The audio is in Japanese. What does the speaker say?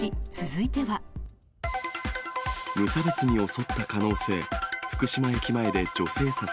無差別に襲った可能性。